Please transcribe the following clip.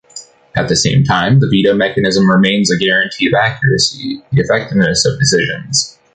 At the same time, the veto mechanism remains a guarantee of accuracy, the effectiveness of decisions.